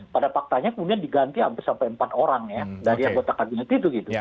pada faktanya kemudian diganti hampir sampai empat orang dari anggota kabinet itu